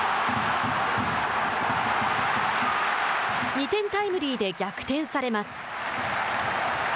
２点タイムリーで逆転されます。